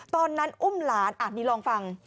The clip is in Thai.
ตอนนั้นอุ้มหลานอันนี้ลองฟัง